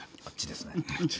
あっちですね？